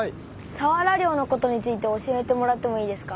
さわら漁のことについて教えてもらってもいいですか？